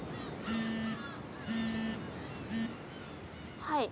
はい。